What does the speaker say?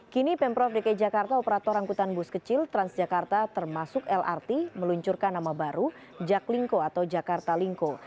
kini pemprov dki jakarta operator angkutan bus kecil transjakarta termasuk lrt meluncurkan nama baru jaklingko atau jakarta lingko